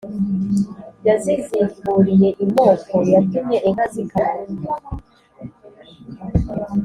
Yaziziburiye imoko: yatumye inka zikamwa.